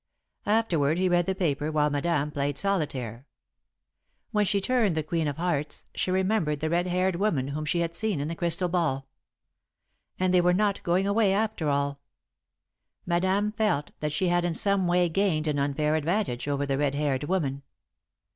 Afterward, he read the paper while Madame played solitaire. When she turned the queen of hearts, she remembered the red haired woman whom she had seen in the crystal ball. And they were not going away, after all! Madame felt that she had in some way gained an unfair advantage over the red haired woman.